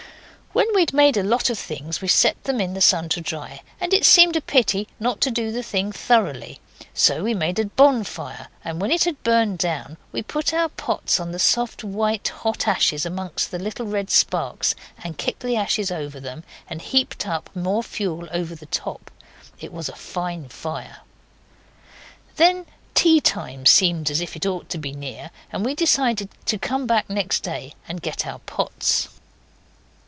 When we'd made a lot of things we set them in the sun to dry, and then it seemed a pity not to do the thing thoroughly. So we made a bonfire, and when it had burnt down we put our pots on the soft, white, hot ashes among the little red sparks, and kicked the ashes over them and heaped more fuel over the top. It was a fine fire. Then tea time seemed as if it ought to be near, and we decided to come back next day and get our pots.